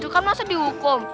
kan masa dihukum